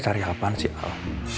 saya cari apaan sih al